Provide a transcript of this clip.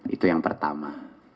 itu yang pertama